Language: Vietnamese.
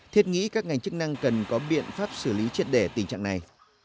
thiết nghĩ các ngành chức năng cần có biện pháp xử lý triệt để tình trạng này